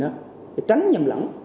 để tránh nhầm lẫn